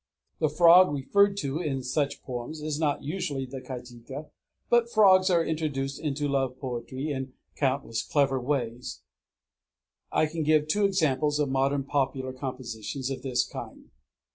The frog referred to in such poems is not usually the kajika. But frogs are introduced into love poetry in countless clever ways. I can give two examples of modern popular compositions of this kind.